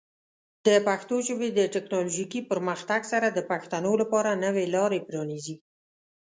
د پښتو ژبې د ټیکنالوجیکي پرمختګ سره، د پښتنو لپاره نوې لارې پرانیزي.